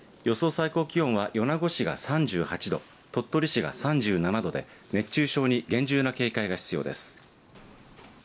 最高気温は米子市が３８度鳥取市が３７度で熱中症に厳重な警戒が必要です。